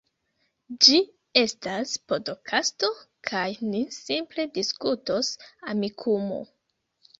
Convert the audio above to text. Ĝi estas podkasto kaj ni simple diskutos Amikumu